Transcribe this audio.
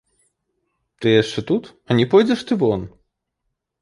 Ты яшчэ тут, а не пойдзеш ты вон?